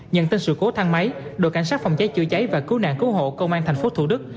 nhận tin sự cố thang máy đội cảnh sát phòng cháy chữa cháy và cứu nạn cứu hộ công an tp thủ đức